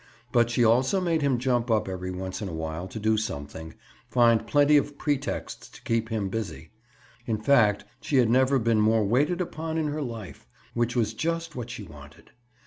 But she also made him jump up every once in a while to do something, finding plenty of pretexts to keep him busy. In fact, she had never been more waited upon in her life, which was just what she wanted.